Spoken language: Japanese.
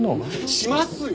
しますよ！